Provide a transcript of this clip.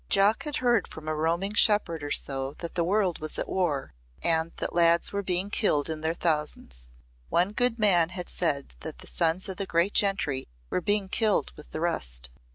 Jock had heard from a roaming shepherd or so that the world was at war and that lads were being killed in their thousands. One good man had said that the sons of the great gentry were being killed with the rest.